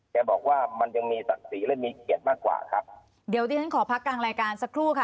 แกบอกว่ามันยังมีศักดิ์ศรีและมีเกียรติมากกว่าครับเดี๋ยวดิฉันขอพักกลางรายการสักครู่ค่ะ